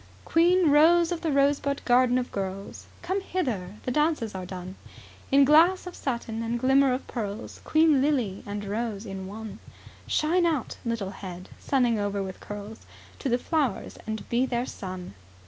"Queen rose of the rosebud garden of girls Come hither, the dances are done, In glass of satin and glimmer of pearls. Queen lily and rose in one; Shine out, little head, sunning over with curls To the flowers, and be their sun."